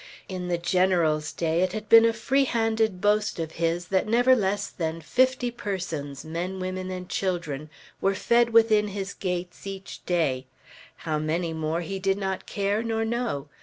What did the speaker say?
In the General's day, it had been a free handed boast of his that never less than fifty persons, men, women and children, were fed within his gates each day; how many more, he did not care, nor know.